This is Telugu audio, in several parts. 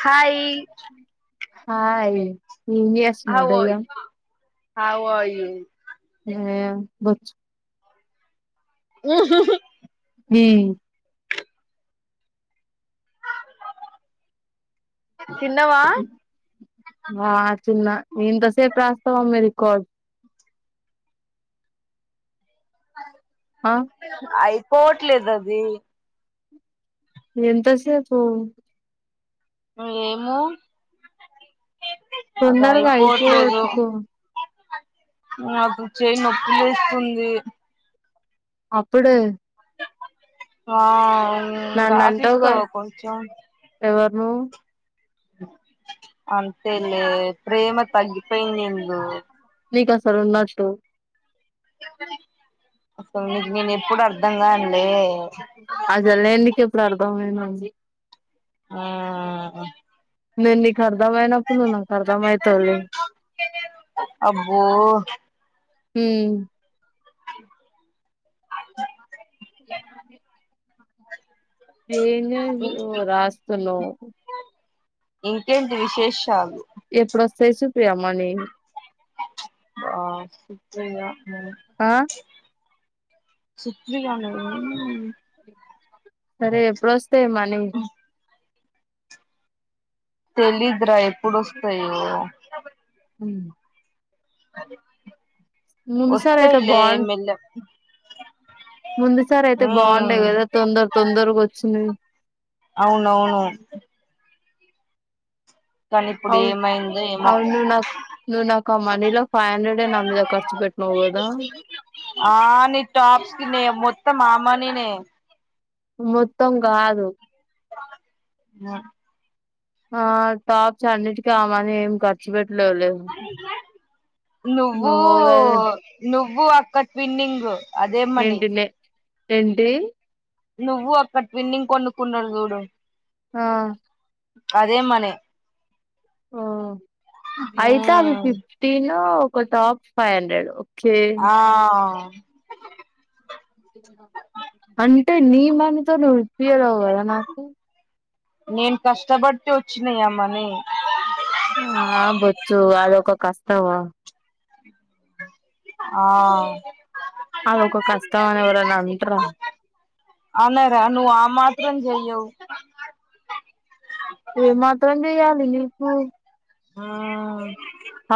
హాయి హాయ్ [inaudible] చేస్తున్నావ్ దయ్య హవాయి ఏం బొచ్చు ఊ తిన్నవా ఆ తిన్న ఇంతసేపు రాస్తావా మరి కాల్ ఆ అయితే పోవట్లేదు అది ఎంతసేపు ఏమో అది తొందరగ అయిపోవట్లేదు అయిపోగొట్టుకో నాకు చెయ్యి నొప్పిస్తుంది అప్పుడే ఆ హుమ్ నన్ను రాసిస్తావ కొంచెం నువ్ అంతేలే ప్రేమ తగ్గి పెండింగూ రున్నట్టు అసలు నీకు నేను ఎప్పుడు అర్థంకాను అసలే నీకు ఎప్పుడు అర్ధమైన అండి మ్మ్ నేను నీకు అర్ధం అయినప్పుడు నువ్వు నాకు అర్థమైతవులే అబ్బో హ్మ్ చేద్దామా [unintelligible] ఏం చేసిన్నావ్ రాస్తున్నావ్ ఇంకేంటి విశేషాలు ఎప్పుడు వస్తాయి సుప్రియ మనీ అబ్బా నిజంగ ఆ సుప్రియ నా సరే ఎప్పుడు వస్తయ్ మనీ తెలిదురా ఎప్పుడొస్తయో ఉ అది ముందుసారి వస్తాయిలే మెల్లగ్ ముందు సార్ అయితే బాగుండే ఉమ్ కదా తొందర తొందరగా వచ్చినయ్ అవునవును కానీ ఇప్పుడు అవు ఏమైందో ఏమో అవును నాకు నువ్వు నాకు ఆ మనీలో ఫైవ్ హండ్రెడ్ నా మీద ఖర్చు పెట్టినవు కదా. అత్త మామ నేనే మొత్తం గాదు ఆ ఆ టాప్స్ అన్నిటికీ ఆ మని ఏం ఖర్చు పెట్ నువ్వు ను వ్వు అక్క ట్విన్నింగ్ అదే మనీ ఏంటి నే ఏంటి నువ్వు అక్క ట్విన్నింగ్ కొనుకున్నరు చూడు ఆ అదే మనీ ఓ అయితే అది ఉమ్ ఫిఫ్టీను ఒక టాప్ ఫైవ్ హండ్రెడ్ ఓకే ఆ అంటే నీ మనితో నువ్వు ఇప్పియలేవు కదా నాకు నేను కష్టపడితే వచ్చినయామనీ ఆ బొచ్చు అదొక కష్టం ఆ అదొ ఒక కష్టం అని ఎవరన్నంట్రా అనర ను ఆ మాత్రం జెయ్యవ్ ఏ మాత్రం జెయ్య నేన్ నీకు ఆ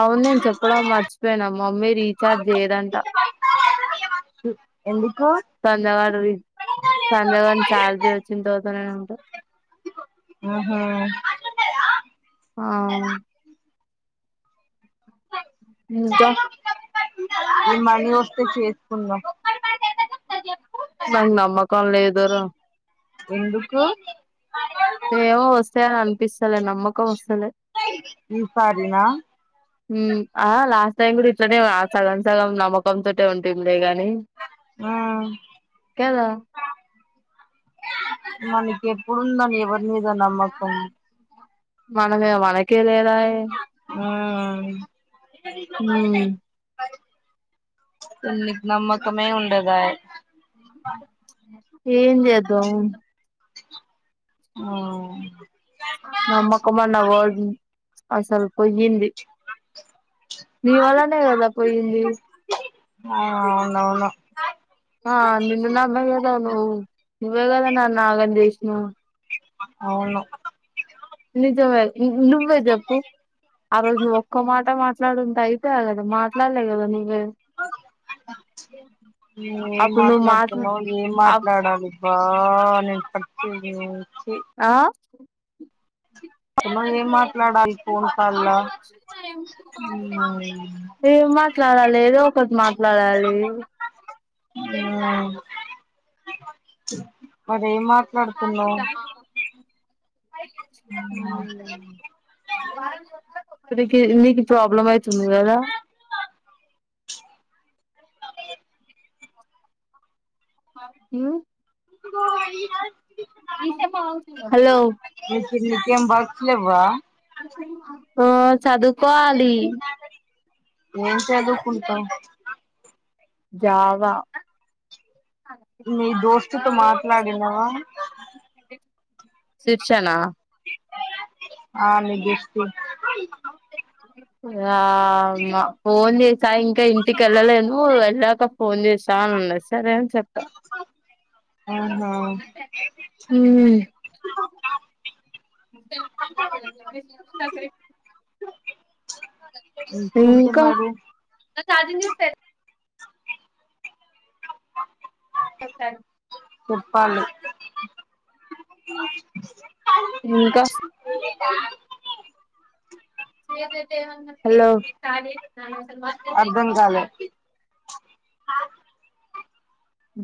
అవునేన్ చెప్పడం మర్చపోయ్న మమ్మీ రీఛార్జ్ చేయ్యదంట ఎందుకు సంజవాడది సంజగాని సాలరీ వచ్చిన్ తర్ మనన్నేమనంటే అహ ఆ నిజం ఈ మనీ వస్తే చేసుకుందాం నాకు నమ్మకం లేదురా ఎందుకు ఏమో వస్తాయ అని అనిపిస్త ఈసారీనా ఆ లాస్ట్ టైం కూడా ఇట్లనే సగం సగం నమ్మకంతోటే ఉంటుం లే గానీ హమ్ కదా మళ్ళీ ఇప్పుడు ఉందా మీద నమ్మకం మన మీద మనకే లేదు హమ్ ఉమ్ నీకు నమ్కమే ఉండ దాయే [inaudible] అ ఏం జేద్ధం ఓ నమ్మకం అనే వర్డ్ ని అసలు పోయింది మీ వలనే కద పోయింది ఆ అవునవును ఆ నిన్న నా మయ అదా నువు నువ్వేగద నన్న ఆగంద జేష్ ఆ అవును నిజమే నువ్వే చెప్పు ఆ రోజు ఒక్క మాట మాట్లాడుంట అయితే అగ అ మాట్లాడలేద నువే ను ఏం అప్పుడు నువ్వు మాట్లా మాట్లాడుతున్నావు ఏం మాట్లాడాలి అబ్బా నేను అ [unintelligible] ఆ తను ఏం మాట్లాడాలి ఫోన్ కాల్ల ఉమ్ ఏం మాట్లాడాలి ఏదో ఒకటి మాట్లాడాలి హమ్ ప్చ్ మరేం మా [unintelligible] హమ్ ఇకి నీకి ప్రాబ్లమ్ అయితుంది గదా హమ్ హలో నీకేం బాక్స్ లెవ్వా ఆ చదువుకోవాలి ఏం చదువుకుంటావ్ జావా మీ దోస్తుతో మాట్లాడినవా శిర్షన ఆ [unintelligible] యా అన్న ఫోన్ చేసి ఇంకా ఇంటికి వెళ్ళలేను వెళ్ళాక ఫోన్ చేసా అ అన్నారు సరే అని చెప్ప ఆహా ఇంకేంటి మరి చార్జింగ్ చూడ సెల్ కొత్త చొప్పలి ఇంక హలో స మా అర్ధం కాలే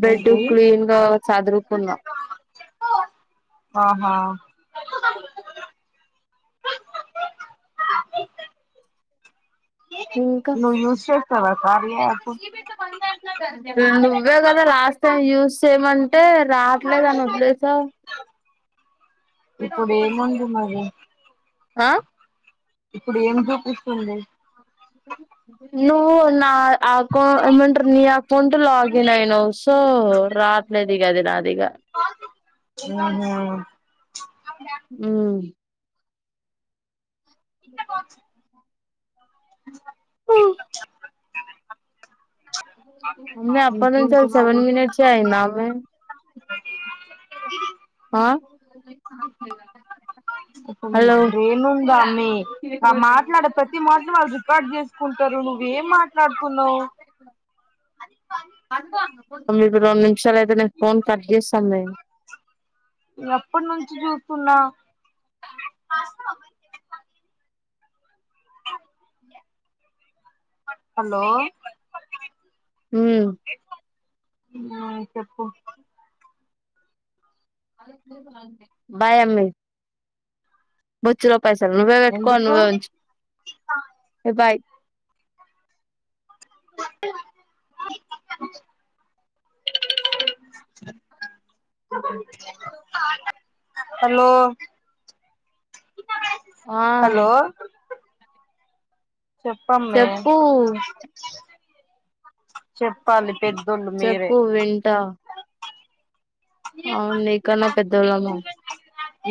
బెడ్ ఏంటి క్లీన్ గా సదురుకున్న ఆహా ఇంక నువ్వు యూస్ చేస్తావా కార్య యాప్ నువ్వే కద లాస్ట్ టై యూస్ చేయమని అంటే రాట్లేదని వదిలేసవ్ ఇప్పుడు ఏముంది మరి ఆ ఇప్పుడు ఏం చూపిస్తుంది నువ్వు నా ఆ అకౌం ఏమంటరు నీ అకౌంట్ లాగిన్ అయినవు సో రాట్లేదు ఇగ అది నాదిగ హామ్ ఇచ్చ బాక్స్ అ అప్పటి నుంచి ఇంకేంటి సెవెన్ మినిట్స్ ఎ అయ్యింద నే ఇది ఆ హలో ఏం ఉందా మే మాట్లాడే ప్రతి మట్లు వాళ్ళు రికార్డ్ చేసుకుంటరు ఎం మా అక్క ఒమ్మే ఇటు రా మ్మే ఛలో అయిపోయినాక ఫోన్ కట్ చేసి ఉంచు పన్నాయి నువ్ ఎప్పటి నుంచి చూస్తున్నావ్ హలో మ్మ్ మ్మ్ ఆ చెప్పు భయమే బొచ్చు పైసలు నువ్వే పెట్టుకో, ఎందుకు నువ్వే ఉంచుకో హలో ఆ హలో చెప్పమ్మే చెప్పు చెప్పాలి పెద్దోళ్ళు మీరే చెప్పు వింటా అవును నీకన్నా పెద్దోళ్ళమ్మా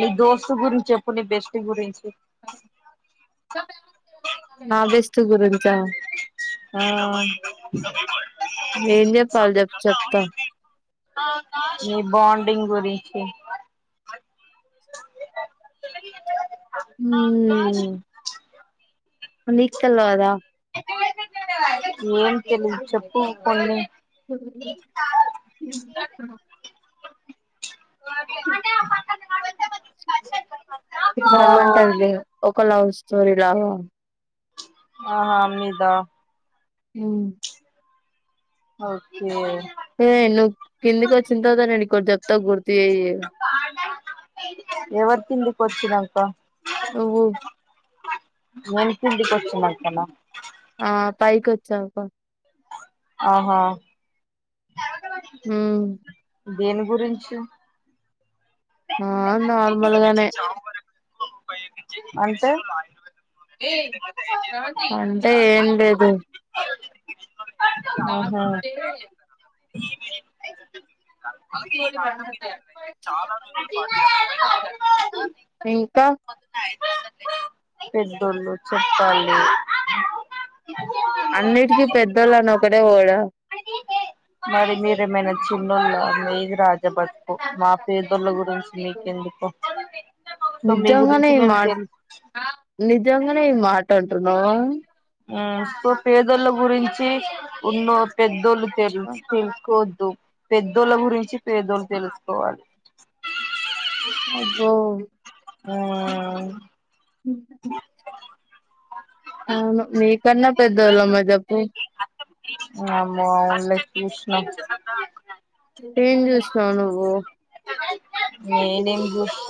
నీ దోస్తుటు గురించి చెప్పు నీ బెస్ట్ గురించి నా బెస్ట్ గురించా ఆ ఇప్పుడు ఏం చెప్పాలి చెప్పు చెప్తా మీ బాండింగ్ గురించి [inaudible] హ్మ్ నీకు తెల్వదా ఏం తెలిదు చెప్పు కొన్ని హలో బాగుంటదిలే ఒక లవ్ స్టోరీ లాగా ఆహా మీదా మ్మ్ ఓకే హే వెళ్ళు కిందికొచ్చిన తర్వాత నేను నీకొకటి చెప్తా గుర్తు చెయ్యి ఎవరు తిండి వచ్చినంక నువ్వు నను పిండి కొచ్చినంక నా ఆ పైకి వచ్చాంక ఆహా హ్మ్ దేని గురించి ఆ నార్మల్గానే అంటే అంటే ఏం లేదు ఆహా కావలిత్తే ఇంకా [inaudible] పెద్దోళ్ళు చెప్పాలీ అన్నిటికీ పెద్దోళ్ళని ఒకడే పోవుడ ఏంది రాదు మా పేదళ్ల గురించి మీకెందుకు మీ నిజంగానే గురించి మేము మా నిజ తెలు నిజంగా నే ఈ మాట చెప్పాల మా పేదోళ్ల గురించి ఉన్నో పెద్దోళ్ళు తెలుసు తెలుసుకో పెద్దోళ్ళ గురించి పేదోళ్లు తెలుసుకోవాలి. అబ్బో ఆ అవును మీకన్నా పెద్దోళ్ళు ఎవరున్నారు చెప్పు ఆ వాళ్ళకి మంచి [inaudible] ఏం చూసినవ్ నువ్ ఓ నేనేం త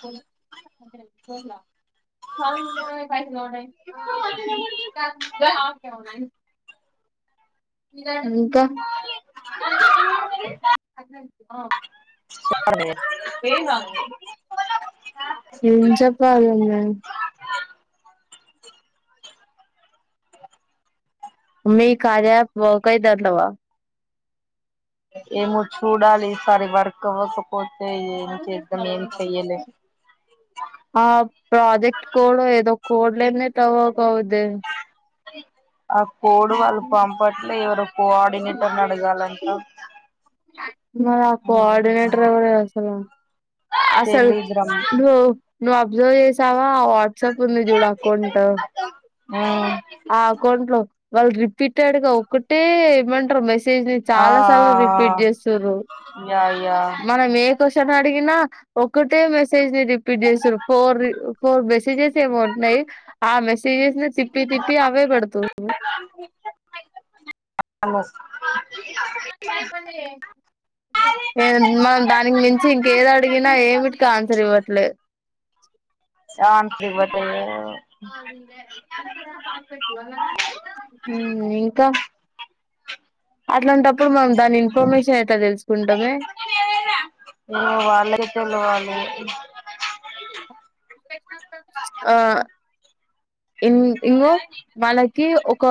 చెప్తున్న పైసలు పడ్డాయి డంకా చెప్పండి హ్మ్ చెప్పాలి నువ్వే మీ కార్య యాప్ [unintelligible] ఏమో చూడాలి ఈసారి వర్క్ కోసం ఆ ప్రాజెక్టు కోడు ఏదో కోడ్ లేం లేవ్ తవక [unintelligible] ఏం ఆ కోడ్ వాళ్ళు పంపట్లే ఎవరో కోఆర్డినేటర్ని అడగాలంట అ మరి ఆ మ్మ్ కోఆర్డినేటర్ ఎవరే అసలు అసలు తెలీదు రా ను మ్మ్ ను అబ్జర్వ్ చేసావా వాట్సాప్ ఉంది చూడు అకౌంట్ ఆ ఆ అకౌంట్లో వాళ్లు రిపీటెడ్ గా ఒకటే ఏమంటారు మెస్ చేసి ఆ చాలా సార్లు రిపీట్ చేస్తురూ యా యా మనం ఏం క్యూస్షన్ అడిగిన ఒకటే మెసేజ్ ని రిపీట్ చేస్తూరు ఫోర్ రీ ఫోర్ మెసేజెస్ ఏమో ఉన్నాయి ఆ మెసేజెస్ తిప్పి తిప్ ఏ అవేపెడతా మ్మ్ అను ఏం మా దానికి మించి ఇంకేది అడిగినా ఏమిటికి ఆన్సర్ ఇవ్వ లేద్ సార్ కి బతిమాలినా ఆ అది ఇదే [unintelligible] హ్మ్ ఇంకా అట్లాంటప్పుడు మనం దాని ఇన్ఫర్మేషన్ ఎట్లా తెలుసుకుంటామే ఏమో వాళ్ళకే తెలవాలి తెలిసినంత ఆ ఇన్ ఇగో వాళ్లకి ఒక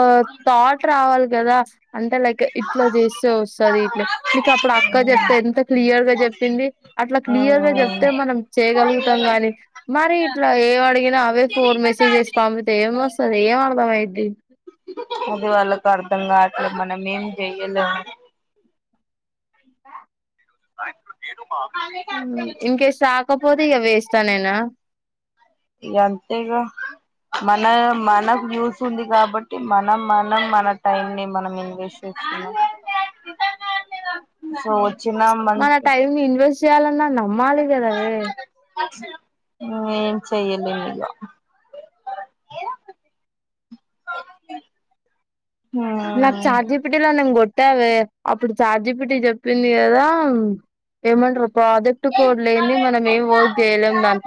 థాట్ రావాలి కదా అంటే లైక్ ఇట్లా చేస్తే వస్తాది ఇట్లే మీకు అప్పుడు అక్క చెప్తే ఎంత క్లియర్ గా చెప్పింది అట్లా క్లియర్ గా చెప్తే మనం చేయగలుగు తం గాని మరి ఇట్లా ఏం అడిగినా అవే ఫోన్ మెసేజ్ పంపితే ఏం వస్తది ఏం అర్థం అయిద్ది ఊకె వాళ్లకు అర్థం కాక, మనం ఏం చెప్పినా ఆయన నేను హమ్ ఇంకేస్ రాకపోతే ఇగ వేస్ట్ అనే నా ఇంకా అంతేగా మన మనకు యూస్ ఉంది కాబట్టి మనం మనం మన టైం ని మనం ఇన్వెస్ట్ చేసు [unintelligible] సో వచ్చిన మంత చేయాలనన్నావ్ - [unintelligible] చేయలేదా నాకు హ్మ్ చాట్ జిపిటి లోనే కొట్ అంత అవే అప్పుడు చాట్ జిపిటి చెప్పింది కదా ఏమంటారు ప్రాజెక్ట్ కోడ్ లేనిది మనం ఏం వర్క్ చేయలేం దాని